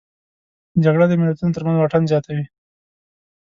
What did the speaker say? جګړه د ملتونو ترمنځ واټن زیاتوي